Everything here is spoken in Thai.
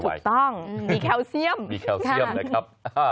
ถูกต้องมีแคลเซียมมีแคลเซียมนะครับ